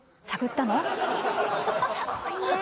すごいね！